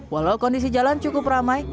walau kondisi jalan cukup ramai